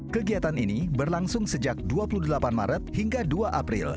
kegiatan ini berlangsung sejak dua puluh delapan maret hingga dua april